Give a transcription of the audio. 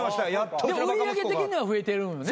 売り上げ的には増えてるよね？